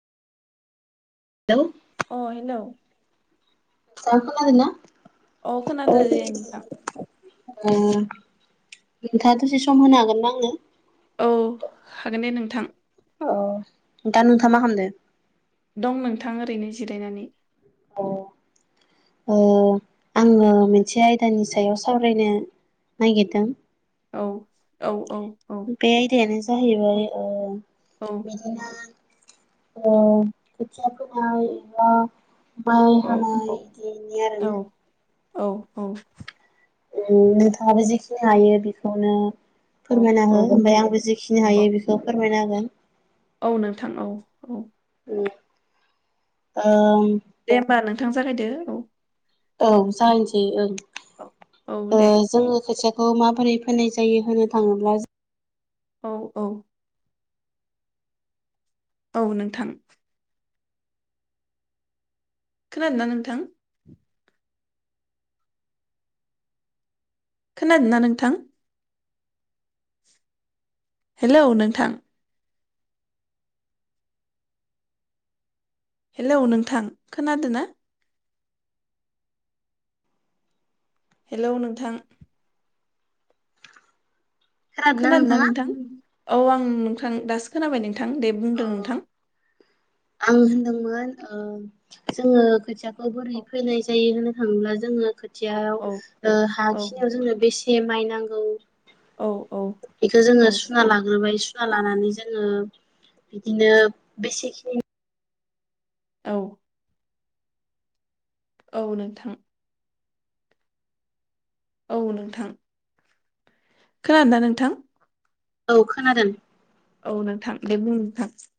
Hello अ hello. नोंथाङा खोनादोंना? अ खोनादोंदे नोंथां ओ नोंथाङा दसे सम होनो हागोन ना आंनो? औ हागोन दे नोंथां। अ दा नोंथाङा मा खालामदो? दं नोंथां ओरैनो जिरायनानै। अ ओ आंङो मोनसे आयदानि सायाव सावरायनो नागिरदों औ औ औ औ बे आयदायानो औ जाहैबाय ओ औ बिदिनो ओ खोथिया बोनाय एबा माइ औ हानाय इदि इनि आरोना औ औ जि हायो बेखौनो औ फोरमायना हो ओमफ्राय औ आंबो जेखिनि हायो बेखौ फोरमायना होगोन। औ नोंथां औ औ ओ दे होमबा नोंथां जागायदो औ औ जाहोनसै ओं औ औ ओ दे जोंङो खोथिया खौ माबोरै फोननाय जायो होनो थाङोब्ला औ औ औ नोंथां खोनादोंना नोंथां? खोनादोंना नोंथां? हेलौ नोंथां हेलौ नोंथां खोनादों ना? हेलौ नोंथां खोनादोंना खोनादों ना नोंथाङा? नोंथां? औ आं नोंथां दासो खोनाबाय नोंथां दे अ बुंदों नोंथां। [inaudible] आं होनदोंमोन जोंङो खोथियाखौ औ बोरै फैनाय जायो होननो थाङोब्ला जोंङो औ खोथियाव औ हा औ खिनियाव जोंनो बेसे माइ नांगौ औ बेखौ औ जोङो सुना लाग्रोबाय सुना लानानै जोङो बिदिनो बेसेखिनि औ औ नोंथां औ नोंथां खोनादोंदा नोंथां औ खोनादों औ नोंथां दे बुंथां नोंथां